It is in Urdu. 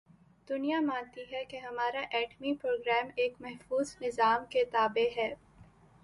دنیا مانتی ہے کہ ہمارا ایٹمی پروگرام ایک محفوظ نظام کے تابع ہے۔